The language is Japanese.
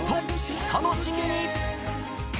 お楽しみに！